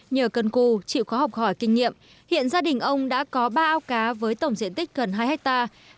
nhờ cân cù chịu khó học hỏi kinh nghiệm hiện gia đình ông đã có ba ao cá với tổng diện tích gần hai hectare